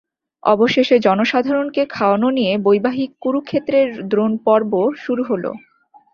অবশেষে জনসাধারণকে খাওয়ানো নিয়ে বৈবাহিক কুরুক্ষেত্রের দ্রোণপর্ব শুরু হল।